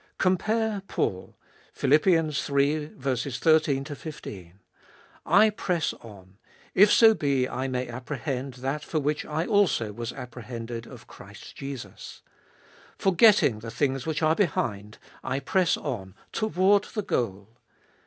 3. Compare Paul (Phil. Hi. 13 15) : 1 press on, ;/ so be I may apprehend that for which I also was apprehended of Christ Jesus. Forgetting the things which are behind, I press on toward the goal.